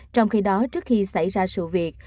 trong khi đó trước khi xảy ra sự việc